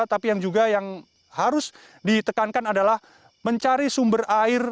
tapi yang juga yang harus ditekankan adalah mencari sumber air